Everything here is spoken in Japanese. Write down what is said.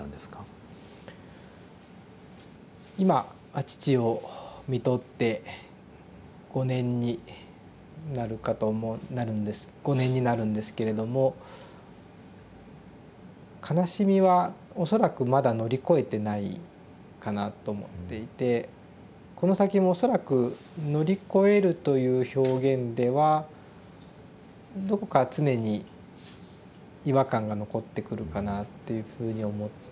今父をみとって５年になるかと思うなるんです５年になるんですけれども悲しみは恐らくまだ乗り越えてないかなと思っていてこの先も恐らく「乗り越える」という表現ではどこか常に違和感が残ってくるかなっていうふうに思っています。